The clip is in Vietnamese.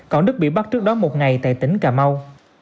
còn đức bị bắt trước đó một ngày tại tỉnh cà mau